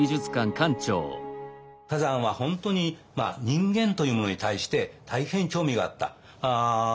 崋山は本当に人間というものに対して大変興味があった。